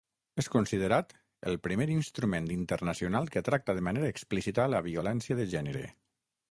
És considerat el primer instrument internacional que tracta de manera explícita la violència de gènere.